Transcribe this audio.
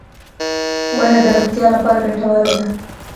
• ونه د روغتیا لپاره ګټوره ده.